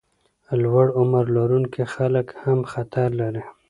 لوړ عمر لرونکي خلک هم خطر لري.